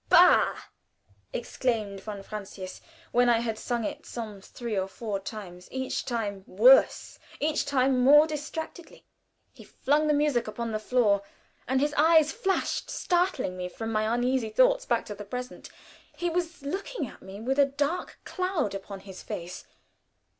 "Bah!" exclaimed von Francius, when I had sung it some three or four times, each time worse, each time more distractedly. He flung the music upon the floor, and his eyes flashed, startling me from my uneasy thoughts back to the present. He was looking at me with a dark cloud upon his face.